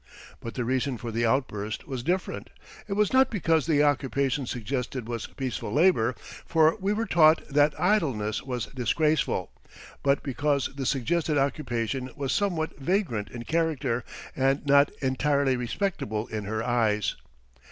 But the reason for the outburst was different. It was not because the occupation suggested was peaceful labor, for we were taught that idleness was disgraceful; but because the suggested occupation was somewhat vagrant in character and not entirely respectable in her eyes.